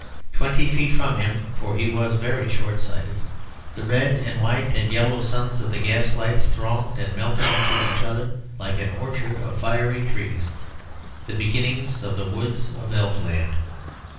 Twenty feet from him (for he was very short sighted) the red and white and yellow suns of the gas lights thronged and melted into each other like an orchard of fiery trees, the beginning of the woods of elf land.